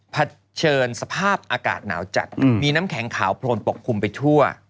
เผชิญสภาพอากาศหนาวจัดมีน้ำแข็งขาวโพลนปกคลุมไปทั่ว